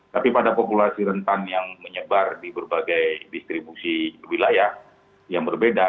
tapi pada populasi rentan yang menyebar di berbagai distribusi wilayah yang berbeda